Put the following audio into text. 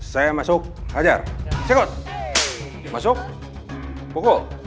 saya masuk hajar cekot masuk pukul